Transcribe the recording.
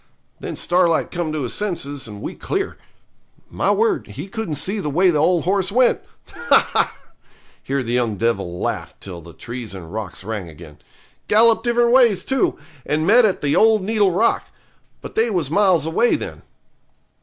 Then Starlight come to his senses, and we clear. My word, he couldn't see the way the old horse went. Ha, ha!' here the young devil laughed till the trees and rocks rang again. 'Gallop different ways, too, and met at the old needle rock. But they was miles away then.'